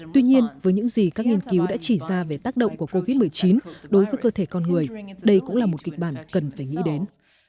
tuy nhiên với những gì các nghiên cứu đã chỉ ra về tác động của covid một mươi chín đối với cơ thể con người đây cũng là một kịch bản cần phải nghĩ đến